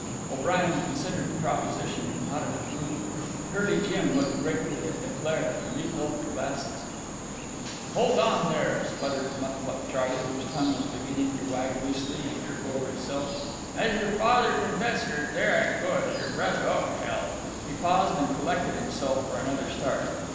O'Brien considered the proposition and nodded approval. Curly Jim looked gratefully at Leclaire and refilled the glasses. "Hold on there!" spluttered Mucluc Charley, whose tongue was beginning to wag loosely and trip over itself. "As your father confessor—there I go—as your brother—O hell!" He paused and collected himself for another start.